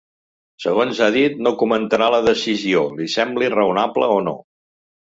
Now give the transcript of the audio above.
Segons ha dit, no comentarà la decisió, li sembli “raonable o no”.